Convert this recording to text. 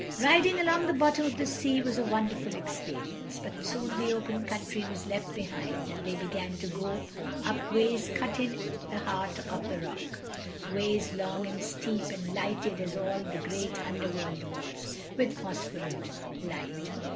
Riding along the bottom of the sea was a wonderful experience—but soon the open country was left behind and they began to go up ways cut in the heart of the rock—ways long and steep, and lighted, as all that great Underworld was, with phosphorescent light.